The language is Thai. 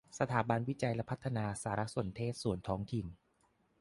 สถาบันวิจัยและพัฒนาสารสนเทศส่วนท้องถิ่น